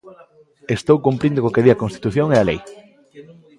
Estou cumprindo co que di a Constitución e a lei.